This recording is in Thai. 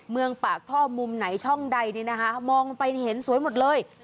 เมืองปากท่อมุมไหนช่องใดนี่นะคะมองไปเห็นสวยหมดเลย